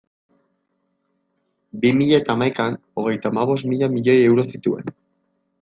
Bi mila eta hamaikan, hogeita hamabost mila milioi euro zituen.